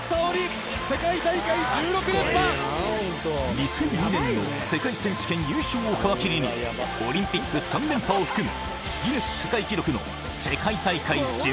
２００２年の世界選手権優勝を皮切りにオリンピック３連覇を含む